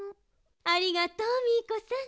ありがとうミーコさん。